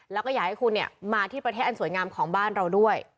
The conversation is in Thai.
แล้วก็อยากให้คุณมาที่ประเทศอันสวยงามของบ้านเราด้วย